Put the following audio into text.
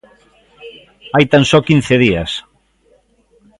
Hai tan só quince días.